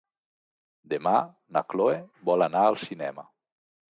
Demà na Cloè vol anar al cinema.